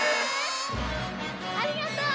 ありがとう！